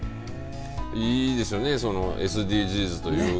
いいですよねＳＤＧｓというか。